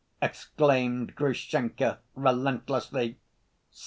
exclaimed Grushenka relentlessly.